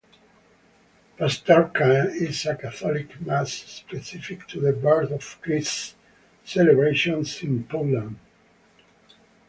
Pasterka is a Catholic mass specific to the Birth of Christ celebrations in Poland.